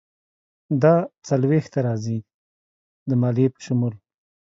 دا څلویښت ته راځي، د مالیې په شمول.